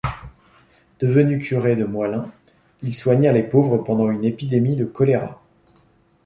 Devenu curé de Moislains, il soigna les pauvres pendant une épidémie de choléra.